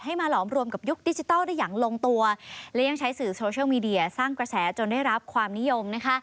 มาหลอมรวมกับยุคดิจิทัลได้อย่างลงตัวและยังใช้สื่อโซเชียลมีเดียสร้างกระแสจนได้รับความนิยมนะคะ